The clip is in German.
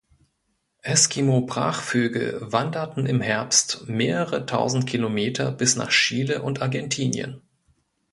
Eskimo-Brachvögel wanderten im Herbst mehrere tausend Kilometer bis nach Chile und Argentinien.